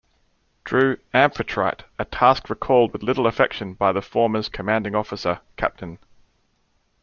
drew "Amphitrite", a task recalled with little affection by the former's commanding officer, Capt.